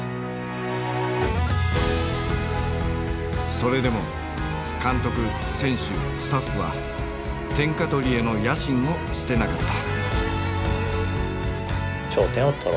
それでも監督選手スタッフは天下取りへの野心を捨てなかった。